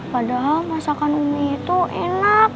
padahal masakan umi itu enak